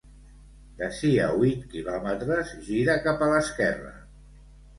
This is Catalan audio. D'ací a huit quilòmetres, gira cap a l'esquerra.